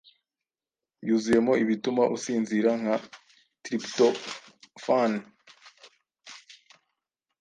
Yuzuyemo ibituma usinzira nka tryptophan